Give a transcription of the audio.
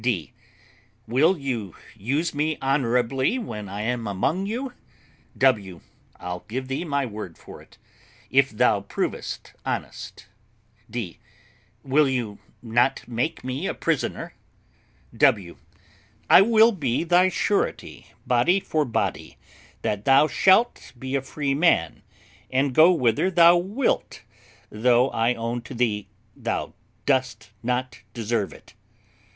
D. Will you use me honourably when I am among you? W. I'll give thee my word for it, if thou provest honest. D. Will you not make me a prisoner? W. I will be thy surety, body for body, that thou shalt be a free man, and go whither thou wilt, though I own to thee thou dost not deserve it.